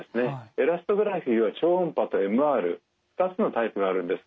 エラストグラフィは超音波とＭＲ２つのタイプがあるんです。